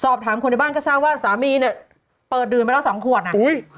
คนในบ้านก็ทราบว่าสามีเนี่ยเปิดดื่มไปแล้วสองขวดน่ะอุ้ย